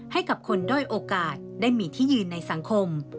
ให้กับคนด้อยโอกาสได้มีที่ยืนในสังคม